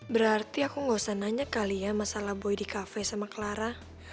berarti aku gak usah nanya kali ya masalah boy di cafe sama clara